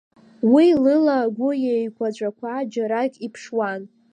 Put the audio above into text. Уи лыла агәы еиқәаҵәақәа џьарак иԥшуан.